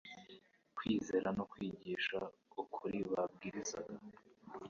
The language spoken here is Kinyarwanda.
kwizera no kwigisha ukuri babwirizaga,